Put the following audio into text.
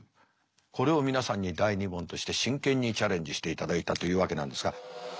これを皆さんに第２問として真剣にチャレンジしていただいたというわけなんですが。